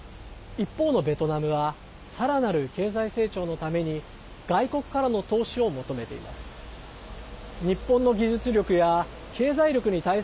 一方のベトナムはさらなる経済成長のために外国からの投資を求めています。